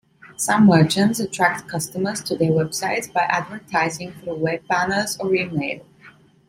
Some merchants attract customers to their websites by advertising through web banners or email.